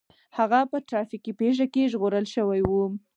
هغه په ټرافيکي پېښه کې ژغورل شوی و